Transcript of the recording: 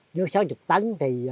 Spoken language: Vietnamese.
nếu sáu mươi tấn thì